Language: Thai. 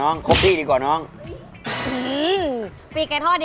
นิ่มนุ้น